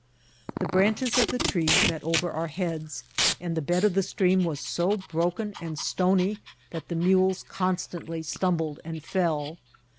The branches of the trees met over our heads, and the bed of the stream was so broken and stony that the mules constantly stumbled and fell.